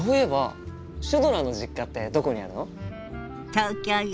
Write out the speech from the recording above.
東京よ。